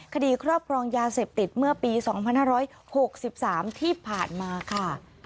ครอบครองยาเสพติดเมื่อปี๒๕๖๓ที่ผ่านมาค่ะ